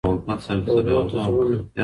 خوبو ته زړونه